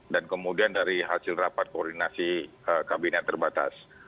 dan kemudian dari hasil rapat koordinasi kabinet terbatas